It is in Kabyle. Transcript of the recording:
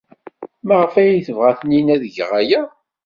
Maɣef ay tebɣa Taninna ad geɣ aya?